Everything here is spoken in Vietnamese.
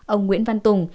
ông nguyễn văn tùng